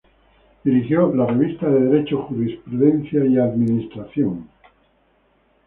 Dirigió la "Revista de Derecho, Jurisprudencia y Administración".